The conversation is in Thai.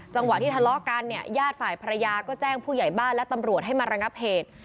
จังหวะที่ทะเลาะกันเนี่ยญาติฝ่ายภรรยาก็แจ้งผู้ใหญ่บ้านและตำรวจให้มาระงับเหตุ